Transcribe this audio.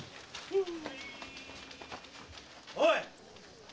おい！